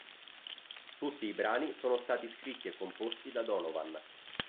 Tutti i brani sono stati scritti e composti da Donovan.